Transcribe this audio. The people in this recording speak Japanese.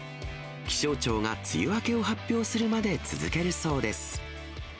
気象庁が梅雨明けを発表するまで続けるそうです。